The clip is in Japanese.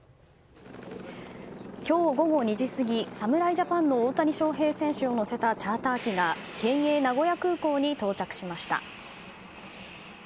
今日午後２時過ぎ、侍ジャパンの大谷翔平選手を乗せたチャーター機が県営名古屋空港に到着しました。